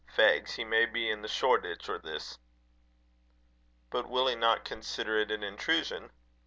Fegs! he may be in Shoreditch or this." "But will he not consider it an intrusion?"